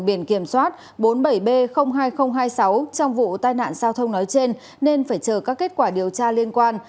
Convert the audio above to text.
biển kiểm soát bốn mươi bảy b hai nghìn hai mươi sáu trong vụ tai nạn giao thông nói trên nên phải chờ các kết quả điều tra liên quan